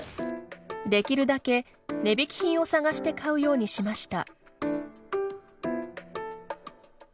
できるだけ値引き品を探して買うようにしました。